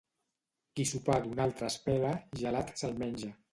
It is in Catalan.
Qui sopar d'un altre espera, gelat se'l menja.